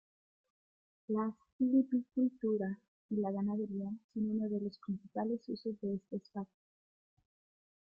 La silvicultura y la ganadería son unos de los principales usos de este Espacio.